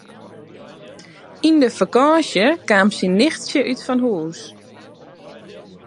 Yn de fakânsje kaam syn nichtsje útfanhûs.